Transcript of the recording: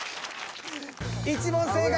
１問正解。